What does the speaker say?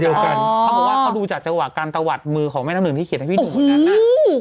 ตัวเดียวกันอ๋อเขาบอกว่าเขาดูจากจังหวะการตวัดมือของแม่น้ำหนึ่งที่เขียนให้พี่หนุ่มกันนะโอ้โฮ